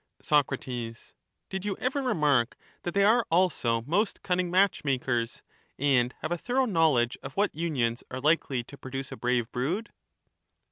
Soc, Did you ever remark that they are also most cunning matchmakers, and have a thorough knowledge of what unions are likely to produce a brave brood